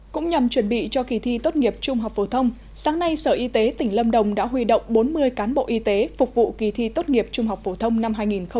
cũng nhằm chuẩn bị cho kỳ thi tốt nghiệp trung học phổ thông sáng nay sở y tế tỉnh lâm đồng đã huy động bốn mươi cán bộ y tế phục vụ kỳ thi tốt nghiệp trung học phổ thông năm hai nghìn hai mươi